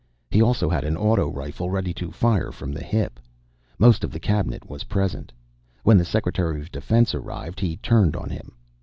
He also had an auto rifle ready to fire from the hip. Most of the Cabinet was present. When the Secretary of Defense arrived, he turned on him.